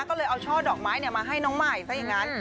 ก็เลยเอาช่อดอกไม้มาให้น้องใหม่ซะอย่างนั้น